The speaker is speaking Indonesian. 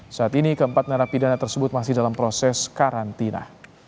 saat ini keempat narapidana tersebut masih dalam proses karantina